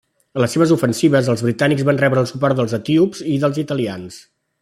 En les seves ofensives, els britànics van rebre el suport dels etíops i dels italians.